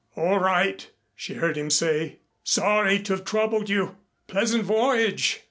"All right," she heard him say, "sorry to have troubled you. Pleasant voyage.